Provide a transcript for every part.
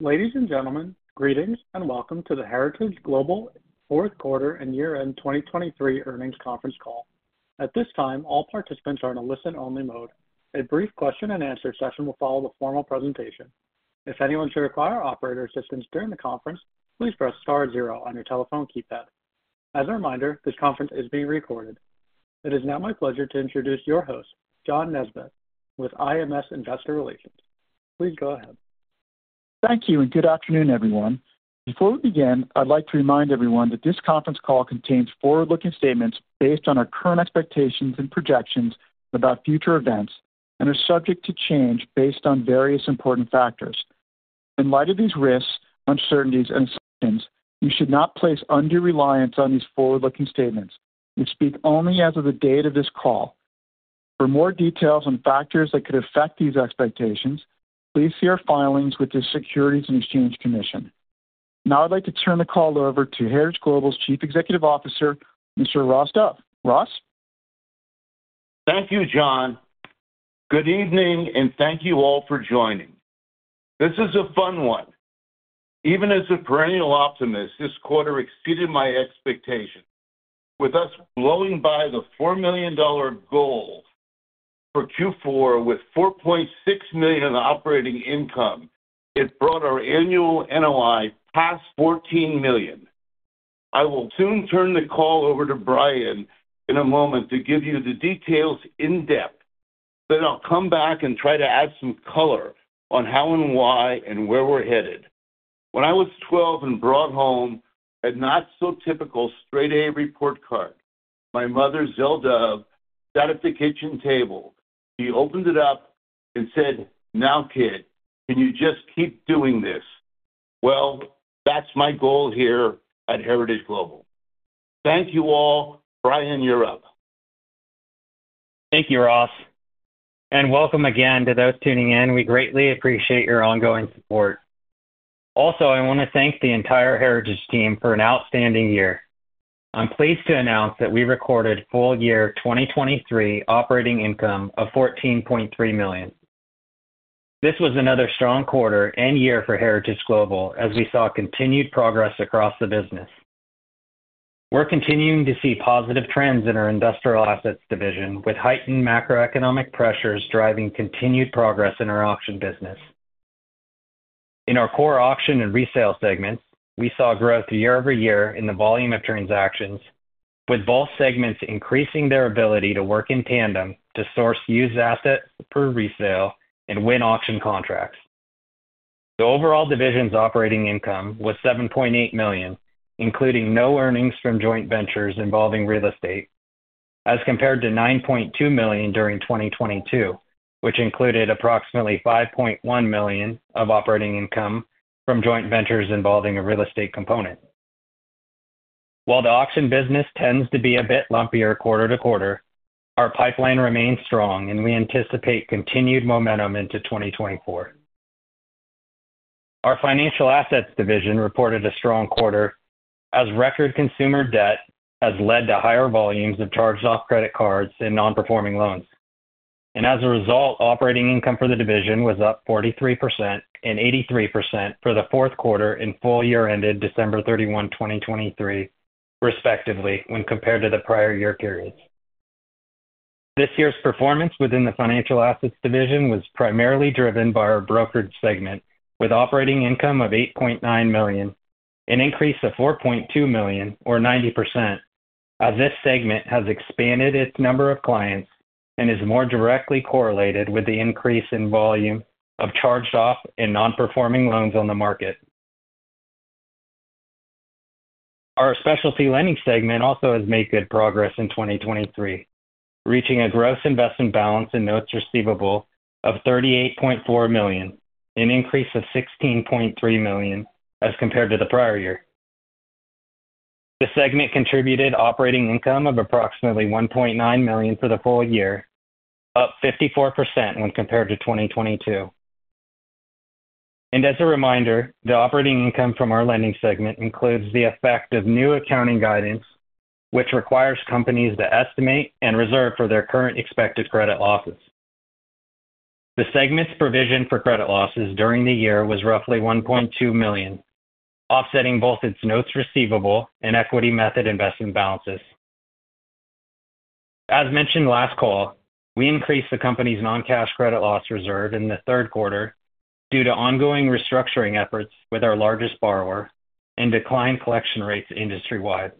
Ladies and gentlemen, greetings and welcome to the Heritage Global Fourth Quarter and Year-End 2023 Earnings Conference call. At this time, all participants are in a listen-only mode. A brief question-and-answer session will follow the formal presentation. If anyone should require operator assistance during the conference, please press star 0 on your telephone keypad. As a reminder, this conference is being recorded. It is now my pleasure to introduce your host, John Nesbett, with IMS Investor Relations. Please go ahead. Thank you, and good afternoon, everyone. Before we begin, I'd like to remind everyone that this conference call contains forward-looking statements based on our current expectations and projections about future events, and are subject to change based on various important factors. In light of these risks, uncertainties, and assumptions, you should not place undue reliance on these forward-looking statements. We speak only as of the date of this call. For more details on factors that could affect these expectations, please see our filings with the Securities and Exchange Commission. Now I'd like to turn the call over to Heritage Global's Chief Executive Officer, Mr. Ross Dove. Ross? Thank you, John. Good evening, and thank you all for joining. This is a fun one. Even as a perennial optimist, this quarter exceeded my expectations. With us blowing by the $4 million goal for Q4 with $4.6 million in operating income, it brought our annual NOI past $14 million. I will soon turn the call over to Brian in a moment to give you the details in depth, but I'll come back and try to add some color on how and why and where we're headed. When I was 12 and brought home a not-so-typical straight-A report card, my mother, Zelle Dove, sat at the kitchen table. She opened it up and said, "Now, kid, can you just keep doing this?" Well, that's my goal here at Heritage Global. Thank you all. Brian, you're up. Thank you, Ross. Welcome again to those tuning in. We greatly appreciate your ongoing support. Also, I want to thank the entire Heritage team for an outstanding year. I'm pleased to announce that we recorded full year 2023 operating income of $14.3 million. This was another strong quarter and year for Heritage Global as we saw continued progress across the business. We're continuing to see positive trends in our Industrial Assets division, with heightened macroeconomic pressures driving continued progress in our auction business. In our core auction and resale segments, we saw growth year-over-year in the volume of transactions, with both segments increasing their ability to work in tandem to source used assets per resale and win auction contracts. The overall division's operating income was $7.8 million, including no earnings from joint ventures involving real estate, as compared to $9.2 million during 2022, which included approximately $5.1 million of operating income from joint ventures involving a real estate component. While the auction business tends to be a bit lumpier quarter to quarter, our pipeline remains strong, and we anticipate continued momentum into 2024. Our Financial Assets division reported a strong quarter as record consumer debt has led to higher volumes of charged-off credit cards and non-performing loans. As a result, operating income for the division was up 43% and 83% for the fourth quarter and full year-ended December 31, 2023, respectively, when compared to the prior year periods. This year's performance within the Financial Assets division was primarily driven by our brokered segment, with operating income of $8.9 million, an increase of $4.2 million, or 90%, as this segment has expanded its number of clients and is more directly correlated with the increase in volume of charged-off and non-performing loans on the market. Our specialty lending segment also has made good progress in 2023, reaching a gross investment balance in notes receivable of $38.4 million, an increase of $16.3 million as compared to the prior year. The segment contributed operating income of approximately $1.9 million for the full year, up 54% when compared to 2022. And as a reminder, the operating income from our lending segment includes the effect of new accounting guidance, which requires companies to estimate and reserve for their current expected credit losses. The segment's provision for credit losses during the year was roughly $1.2 million, offsetting both its notes receivable and equity method investment balances. As mentioned last call, we increased the company's non-cash credit loss reserve in the third quarter due to ongoing restructuring efforts with our largest borrower and declined collection rates industry-wide.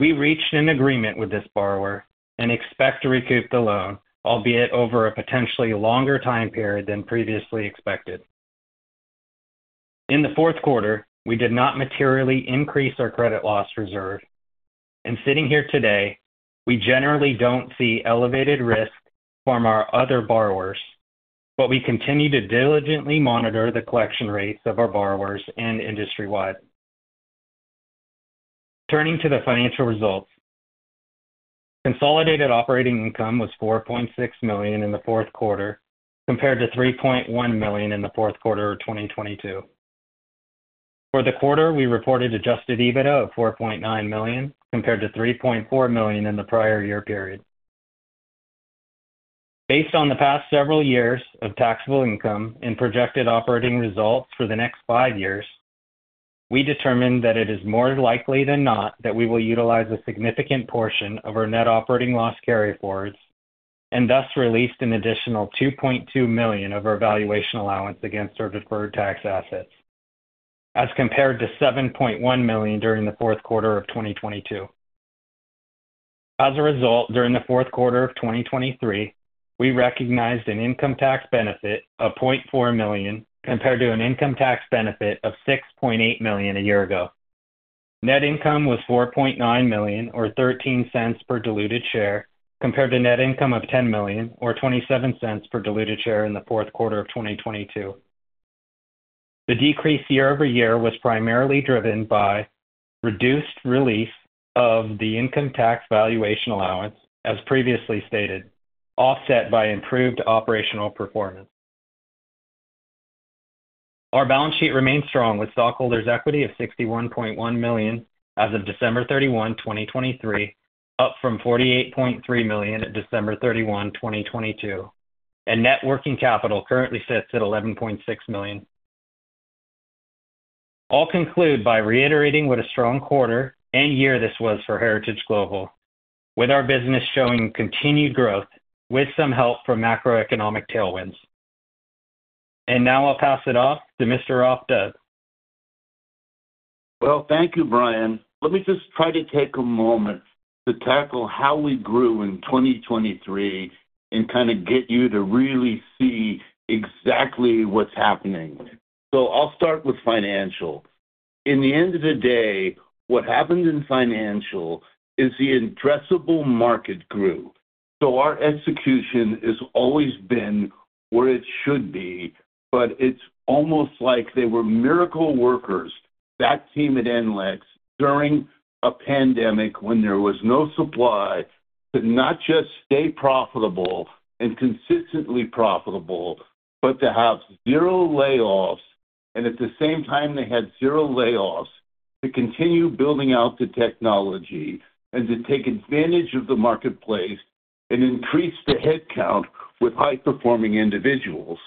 We reached an agreement with this borrower and expect to recoup the loan, albeit over a potentially longer time period than previously expected. In the fourth quarter, we did not materially increase our credit loss reserve. And sitting here today, we generally don't see elevated risk from our other borrowers, but we continue to diligently monitor the collection rates of our borrowers and industry-wide. Turning to the financial results, consolidated operating income was $4.6 million in the fourth quarter compared to $3.1 million in the fourth quarter of 2022. For the quarter, we reported Adjusted EBITDA of $4.9 million compared to $3.4 million in the prior year period. Based on the past several years of taxable income and projected operating results for the next five years, we determined that it is more likely than not that we will utilize a significant portion of our net operating loss carryforwards and thus release an additional $2.2 million of our valuation allowance against our deferred tax assets as compared to $7.1 million during the fourth quarter of 2022. As a result, during the fourth quarter of 2023, we recognized an income tax benefit of $0.4 million compared to an income tax benefit of $6.8 million a year ago. Net income was $4.9 million, or $0.13 per diluted share, compared to net income of $10 million, or $0.27 per diluted share in the fourth quarter of 2022. The decrease year-over-year was primarily driven by reduced release of the income tax valuation allowance, as previously stated, offset by improved operational performance. Our balance sheet remains strong, with stockholders' equity of $61.1 million as of December 31, 2023, up from $48.3 million at December 31, 2022, and net working capital currently sits at $11.6 million. I'll conclude by reiterating what a strong quarter and year this was for Heritage Global, with our business showing continued growth with some help from macroeconomic tailwinds. And now I'll pass it off to Mr. Ross Dove. Well, thank you, Brian. Let me just try to take a moment to tackle how we grew in 2023 and kind of get you to really see exactly what's happening. So I'll start with financial. In the end of the day, what happened in financial is the addressable market grew. So our execution has always been where it should be, but it's almost like they were miracle workers that team at NLEX during a pandemic when there was no supply to not just stay profitable and consistently profitable, but to have zero layoffs, and at the same time they had zero layoffs, to continue building out the technology and to take advantage of the marketplace and increase the headcount with high-performing individuals.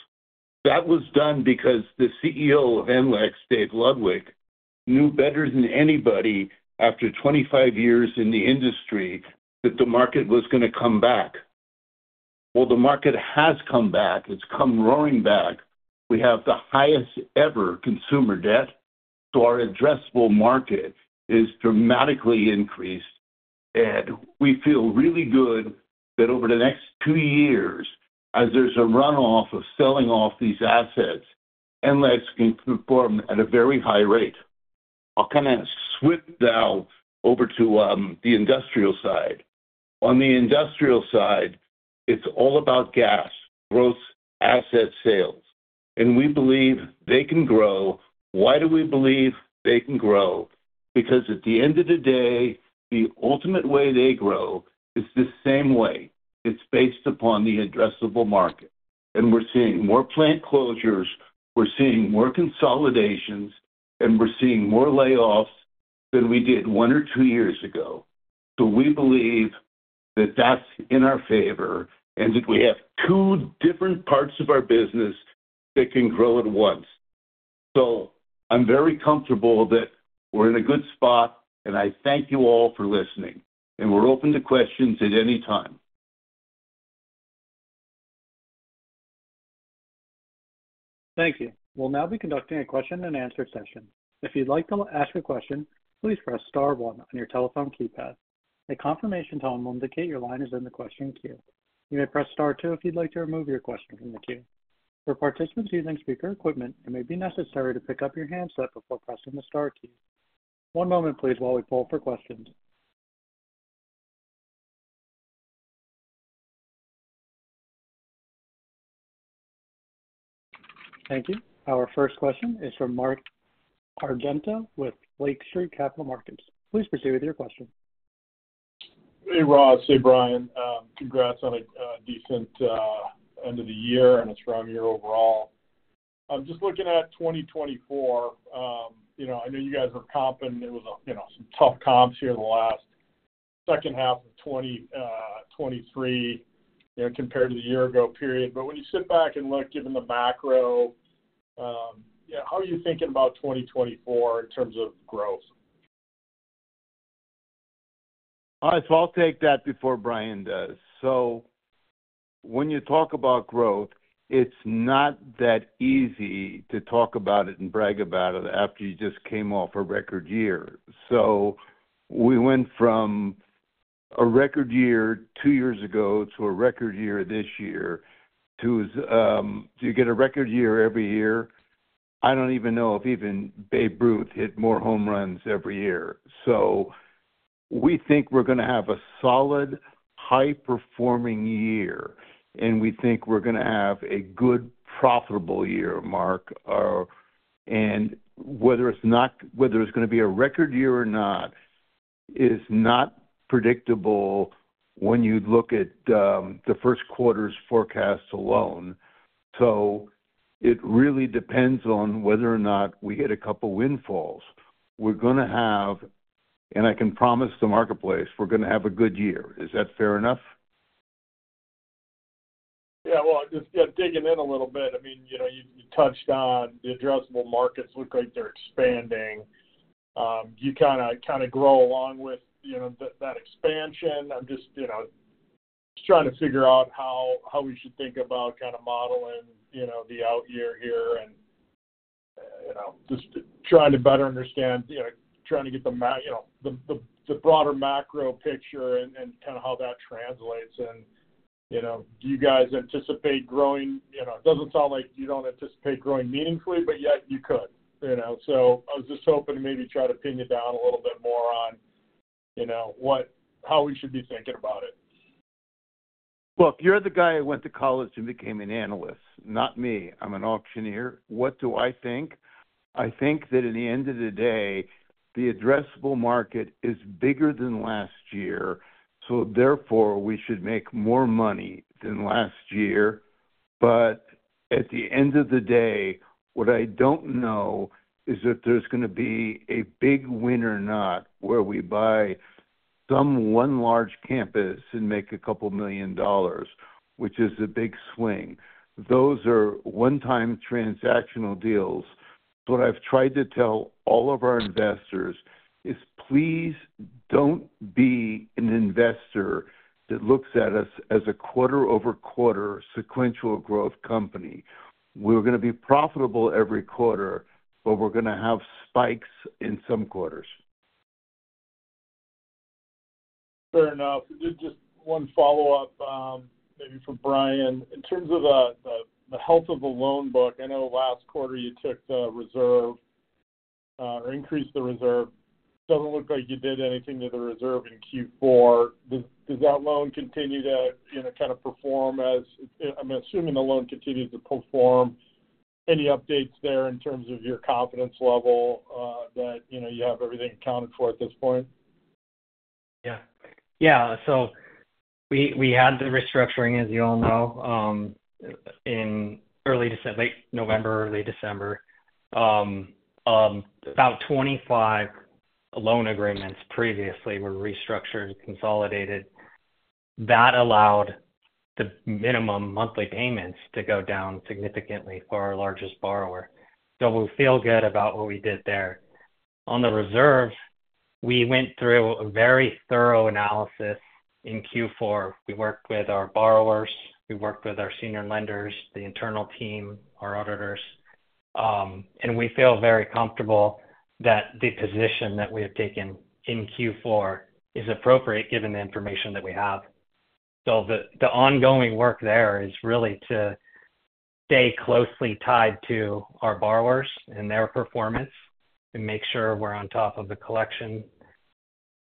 That was done because the CEO of NLEX, Dave Ludwig, knew better than anybody after 25 years in the industry that the market was going to come back. Well, the market has come back. It's come roaring back. We have the highest-ever consumer debt, so our addressable market has dramatically increased, and we feel really good that over the next two years, as there's a runoff of selling off these assets, NLEX can perform at a very high rate. I'll kind of switch now over to the industrial side. On the industrial side, it's all about GAS, gross asset sales, and we believe they can grow. Why do we believe they can grow? Because at the end of the day, the ultimate way they grow is the same way. It's based upon the addressable market, and we're seeing more plant closures, we're seeing more consolidations, and we're seeing more layoffs than we did one or two years ago. We believe that that's in our favor, and that we have two different parts of our business that can grow at once. I'm very comfortable that we're in a good spot, and I thank you all for listening, and we're open to questions at any time. Thank you. We'll now be conducting a question-and-answer session. If you'd like to ask a question, please press star 1 on your telephone keypad. A confirmation tone will indicate your line is in the question queue. You may press star 2 if you'd like to remove your question from the queue. For participants using speaker equipment, it may be necessary to pick up your handset before pressing the star key. One moment, please, while we pull for questions. Thank you. Our first question is from Mark Argento with Lake Street Capital Markets. Please proceed with your question. Hey, Ross. Hey, Brian. Congrats on a decent end of the year and a strong year overall. Just looking at 2024, I know you guys were comping, and it was some tough comps here in the last second half of 2023 compared to the year ago, period. But when you sit back and look, given the macro, how are you thinking about 2024 in terms of growth? All right. So I'll take that before Brian does. So when you talk about growth, it's not that easy to talk about it and brag about it after you just came off a record year. So we went from a record year two years ago to a record year this year. You get a record year every year. I don't even know if even Babe Ruth hit more home runs every year. So we think we're going to have a solid, high-performing year, and we think we're going to have a good, profitable year, Mark. And whether it's going to be a record year or not is not predictable when you look at the first quarter's forecast alone. So it really depends on whether or not we get a couple of windfalls. We're going to have and I can promise the marketplace, we're going to have a good year. Is that fair enough? Yeah. Well, just digging in a little bit, I mean, you touched on the addressable markets look like they're expanding. You kind of grow along with that expansion. I'm just trying to figure out how we should think about kind of modeling the out year here and just trying to better understand, trying to get the broader macro picture and kind of how that translates. And do you guys anticipate growing? It doesn't sound like you don't anticipate growing meaningfully, but yet you could. So I was just hoping to maybe try to pin you down a little bit more on how we should be thinking about it. Well, if you're the guy who went to college and became an analyst, not me. I'm an auctioneer. What do I think? I think that at the end of the day, the addressable market is bigger than last year, so therefore, we should make more money than last year. But at the end of the day, what I don't know is if there's going to be a big win or not where we buy some one large campus and make $2 million, which is a big swing. Those are one-time transactional deals. So what I've tried to tell all of our investors is, please don't be an investor that looks at us as a quarter-over-quarter sequential growth company. We're going to be profitable every quarter, but we're going to have spikes in some quarters. Fair enough. Just one follow-up maybe for Brian. In terms of the health of the loan book, I know last quarter you took the reserve or increased the reserve. Doesn't look like you did anything to the reserve in Q4. Does that loan continue to kind of perform as I'm assuming the loan continues to perform? Any updates there in terms of your confidence level that you have everything accounted for at this point? Yeah. Yeah. So we had the restructuring, as you all know, in late November, early December. About 25 loan agreements previously were restructured, consolidated. That allowed the minimum monthly payments to go down significantly for our largest borrower. So we feel good about what we did there. On the reserve, we went through a very thorough analysis in Q4. We worked with our borrowers. We worked with our senior lenders, the internal team, our auditors. We feel very comfortable that the position that we have taken in Q4 is appropriate given the information that we have. So the ongoing work there is really to stay closely tied to our borrowers and their performance and make sure we're on top of the collection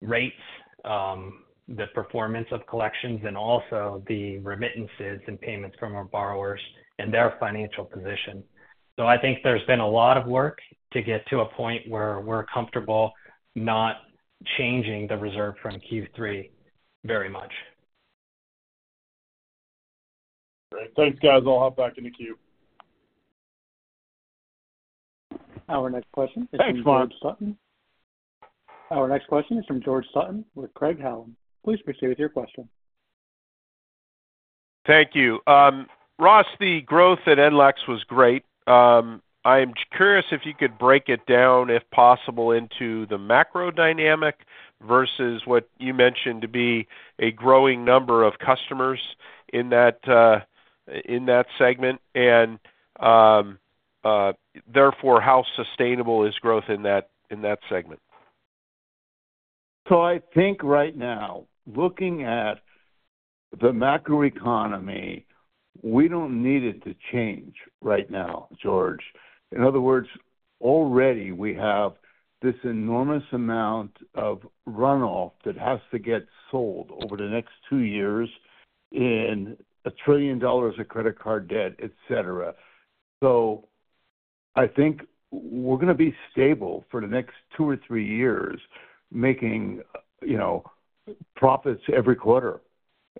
rates, the performance of collections, and also the remittances and payments from our borrowers and their financial position. I think there's been a lot of work to get to a point where we're comfortable not changing the reserve from Q3 very much. Great. Thanks, guys. I'll hop back into queue. Our next question is from George Sutton. Our next question is from George Sutton with Craig-Hallum. Please proceed with your question. Thank you. Ross, the growth at NLEX was great. I am curious if you could break it down, if possible, into the macro dynamic versus what you mentioned to be a growing number of customers in that segment, and therefore, how sustainable is growth in that segment? I think right now, looking at the macroeconomy, we don't need it to change right now, George. In other words, already, we have this enormous amount of runoff that has to get sold over the next two years in $1 trillion of credit card debt, etc. I think we're going to be stable for the next two or three years making profits every quarter.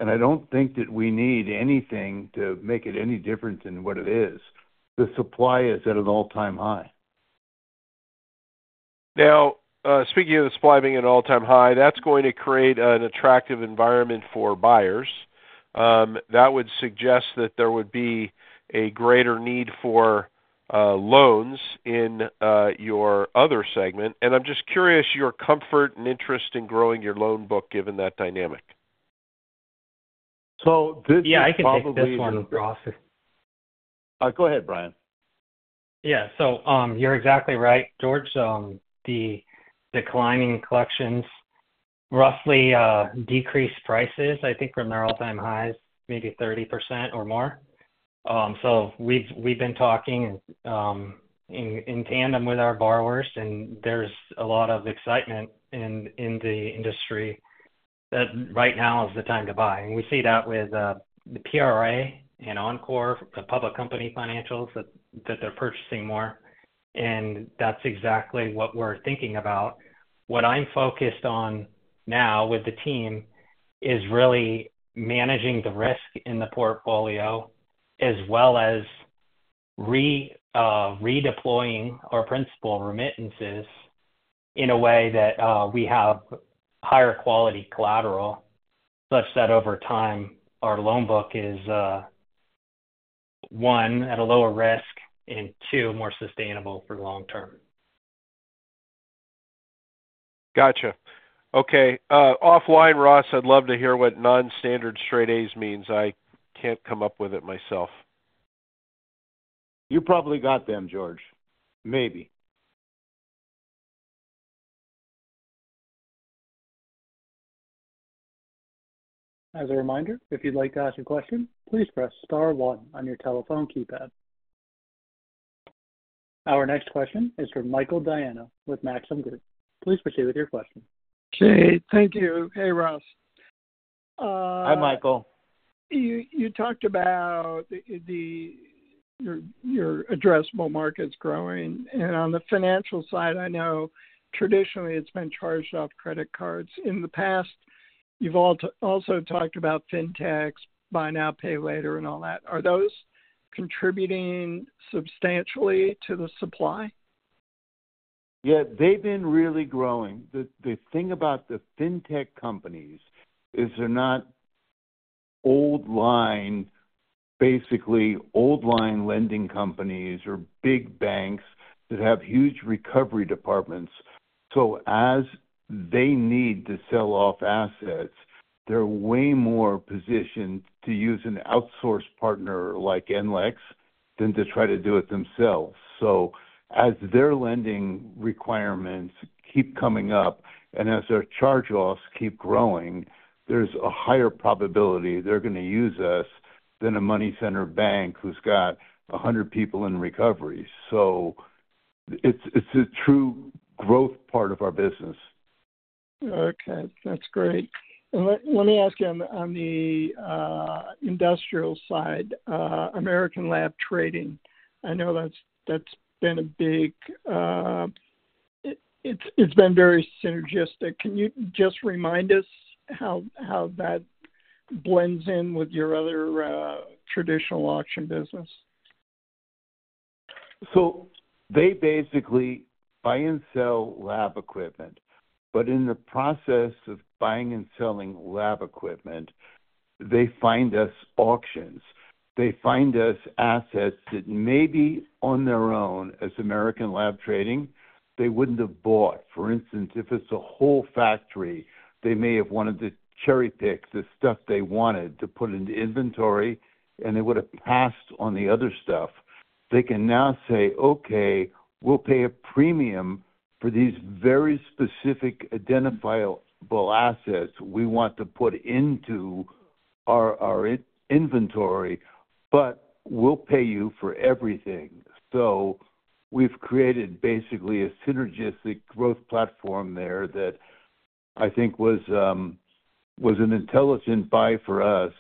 I don't think that we need anything to make it any different than what it is. The supply is at an all-time high. Now, speaking of the supply being at an all-time high, that's going to create an attractive environment for buyers. That would suggest that there would be a greater need for loans in your other segment. And I'm just curious your comfort and interest in growing your loan book given that dynamic? This is probably. Yeah. I can take this one, Ross. Go ahead, Brian. Yeah. So you're exactly right, George. The declining collections roughly decreased prices, I think, from their all-time highs, maybe 30% or more. So we've been talking in tandem with our borrowers, and there's a lot of excitement in the industry that right now is the time to buy. And we see that with the PRA and Encore, the public company financials, that they're purchasing more. And that's exactly what we're thinking about. What I'm focused on now with the team is really managing the risk in the portfolio as well as redeploying our principal remittances in a way that we have higher quality collateral such that over time, our loan book is, one, at a lower risk and, two, more sustainable for long term. Gotcha. Okay. Offline, Ross, I'd love to hear what non-standard straight A's means. I can't come up with it myself. You probably got them, George. Maybe. As a reminder, if you'd like to ask a question, please press star 1 on your telephone keypad. Our next question is from Michael Diana with Maxim Group. Please proceed with your question. Hey. Thank you. Hey, Ross. Hi, Michael. You talked about your addressable markets growing. On the financial side, I know traditionally, it's been charged off credit cards. In the past, you've also talked about fintechs, buy now, pay later, and all that. Are those contributing substantially to the supply? Yeah. They've been really growing. The thing about the fintech companies is they're not basically old-line lending companies or big banks that have huge recovery departments. So as they need to sell off assets, they're way more positioned to use an outsourced partner like NLEX than to try to do it themselves. So as their lending requirements keep coming up and as their charge-offs keep growing, there's a higher probability they're going to use us than a money center bank who's got 100 people in recovery. So it's a true growth part of our business. Okay. That's great. Let me ask you, on the industrial side, American Laboratory Trading, I know that's been a big, it's been very synergistic. Can you just remind us how that blends in with your other traditional auction business? So they basically buy and sell lab equipment. But in the process of buying and selling lab equipment, they find us auctions. They find us assets that maybe on their own, as American Laboratory Trading, they wouldn't have bought. For instance, if it's a whole factory, they may have wanted to cherry-pick the stuff they wanted to put into inventory, and they would have passed on the other stuff. They can now say, "Okay. We'll pay a premium for these very specific identifiable assets we want to put into our inventory, but we'll pay you for everything." So we've created basically a synergistic growth platform there that I think was an intelligent buy for us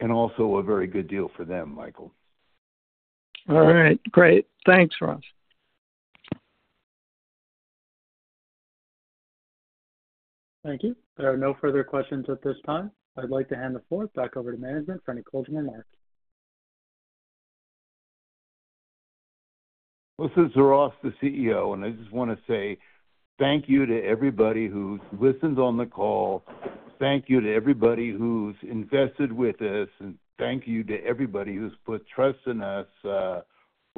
and also a very good deal for them, Michael. All right. Great. Thanks, Ross. Thank you. There are no further questions at this time. I'd like to hand the floor back over to management for any closing remarks. This is Ross, the CEO. I just want to say thank you to everybody who's listened on the call. Thank you to everybody who's invested with us. Thank you to everybody who's put trust in us. We're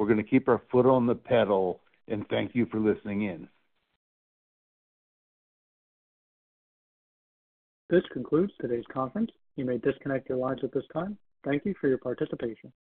going to keep our foot on the pedal. Thank you for listening in. This concludes today's conference. You may disconnect your lines at this time. Thank you for your participation.